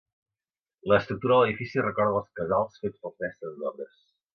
L'estructura de l'edifici recorda als casals fets pels mestres d'obres.